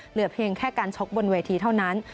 เหลือเพียงแค่การชกบนเวทีเท่านั้น